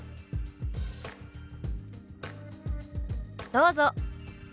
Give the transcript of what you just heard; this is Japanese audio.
どうぞ。